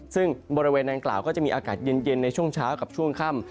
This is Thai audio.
ซึ่งบริเวณนางกล่าวก็จะมีอากาศเย็นในช่วงเช้ากับช่วงค่ำ